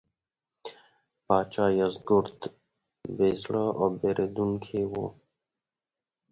پاچا یزدګُرد بې زړه او بېرندوکی و.